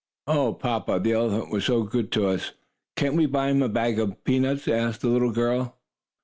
"Oh, papa, the elephant was so good to us, can't we buy him a bag of peanuts?" asked the little girl.